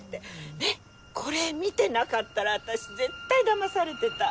ねっこれ見てなかったら私絶対だまされてた。